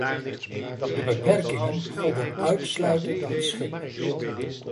De beperkingen golden uitsluitend het schip.